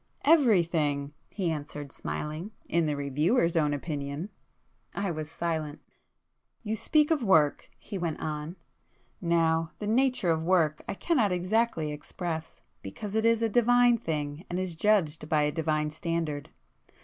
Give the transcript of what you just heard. "Everything!" he answered smiling—"In the reviewers' own opinion!" I was silent. "You speak of work;" he went on—"Now the nature of work I cannot exactly express, because it is a divine thing and is judged by a divine standard.